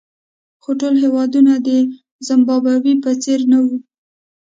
خو ټول هېوادونه د زیمبابوې په څېر نه وو.